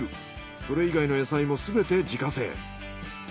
それ以外の野菜もすべて自家製。